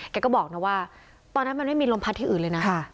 แกก็บอกนะว่าตอนนั้นมันไม่มีลมพัดที่อื่นเลยนะ